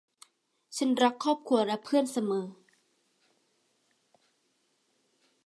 ฉันรักครอบครัวและเพื่อนเสมอ